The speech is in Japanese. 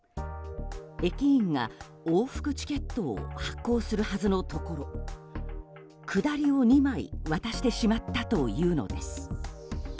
駅員が往復チケットを発行するはずのところ下りを２枚渡してしまったというのです。